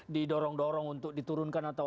didorong dorong untuk diturunkan atau